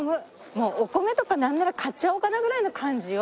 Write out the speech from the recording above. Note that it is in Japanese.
もうお米とかなんなら買っちゃおうかなぐらいの感じよ